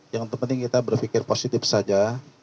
yang penting kita berpikir positif saja